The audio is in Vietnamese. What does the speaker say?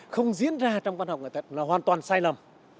không diễn ra trong văn học nghệ thuật là hoàn toàn sai lầm